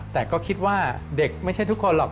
แต่ก็คิดว่าเด็กไม่ใช่ทุกคนหรอก